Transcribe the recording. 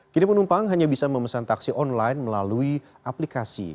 kini penumpang hanya bisa memesan taksi online melalui aplikasi